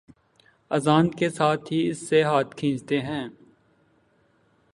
اذان کے ساتھ ہی اس سے ہاتھ کھینچتے ہیں